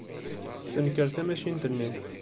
Tessenker tamacint-nni.